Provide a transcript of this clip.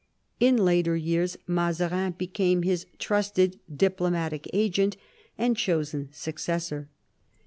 In later years Mazarin became his trusted diplomatic agent and chosen successor.